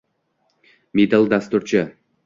Middle dasturchi